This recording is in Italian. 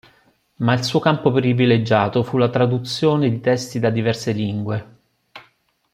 Ma il suo campo privilegiato fu la traduzione di testi da diverse lingue.